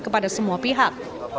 kepada semua pihak